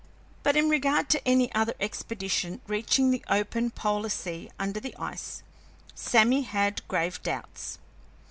But in regard to any other expedition reaching the open polar sea under the ice, Sammy had grave doubts.